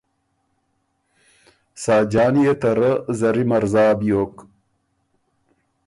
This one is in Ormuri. ساجان يې ته رۀ زری مرزا بیوک۔